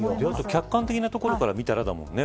客観的なところから見たらだもんね。